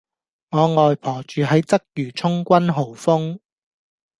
我外婆住喺鰂魚涌君豪峰